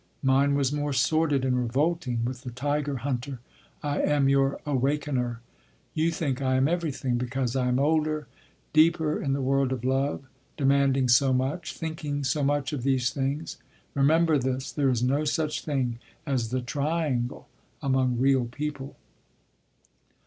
Mine was more sordid and revolting with the tiger hunter. I am your awakener. You think I am everything, because I am older, deeper in the world of love—demanding so much—thinking so much of these things. Remember this—there is no such thing as the triangle among real people.